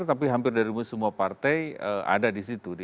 tapi hampir dari semua partai ada di situ